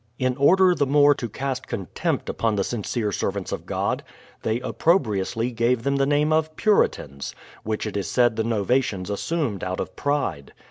In order the more to cast contempt upon the sincere servants of God, they opprobriously gave them the name of "Puritans," which it is said the novations assumed out of pride.